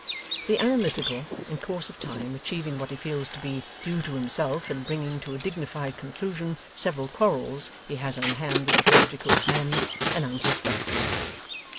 The Analytical, in course of time achieving what he feels to be due to himself in bringing to a dignified conclusion several quarrels he has on hand with the pastrycook's men, announces breakfast.